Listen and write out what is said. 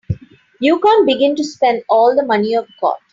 You can't begin to spend all the money you've got.